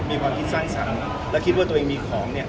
มีความคิดสร้างสรรค์และคิดว่าตัวเองมีของเนี่ย